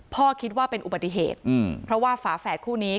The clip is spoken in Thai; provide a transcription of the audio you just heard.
คิดว่าเป็นอุบัติเหตุเพราะว่าฝาแฝดคู่นี้